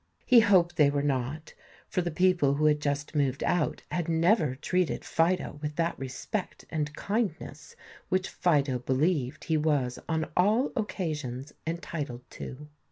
He hoped they were not, for the people who had just moved out had never treated Fido with that respect and kindness which Fido believed he was on all occasions entitled to.